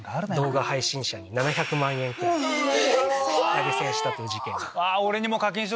投げ銭したという事件が。